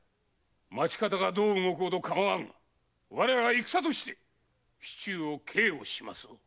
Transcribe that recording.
町方がどう動こうと構わんが我らは戦として市中を警護しますぞ。